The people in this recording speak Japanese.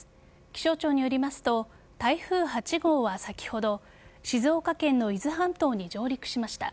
気象庁によりますと台風８号は先ほど静岡県の伊豆半島に上陸しました。